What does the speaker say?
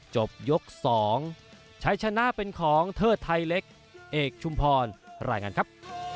จบยก๒ชัยชนะเป็นของเทิดไทยเล็กเอกชุมพรรายงานครับ